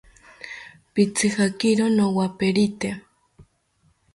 Pitzijakiro nowaperite